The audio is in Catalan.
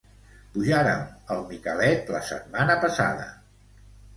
Pujàrem al Micalet la setmana passada